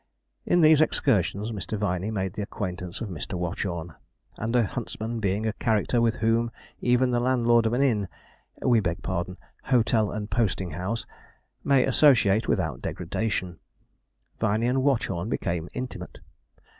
In these excursions Mr. Viney made the acquaintance of Mr. Watchorn; and a huntsman being a character with whom even the landlord of an inn we beg pardon, hotel and posting house may associate without degradation, Viney and Watchorn became intimate.